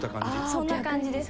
そんな感じです。